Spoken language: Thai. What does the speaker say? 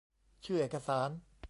ชื่อเอกสาร